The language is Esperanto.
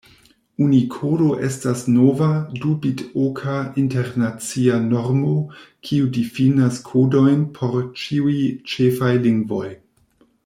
Unikodo estas nova, du-bitoka internacia normo, kiu difinas kodojn por ĉiuj ĉefaj lingvoj.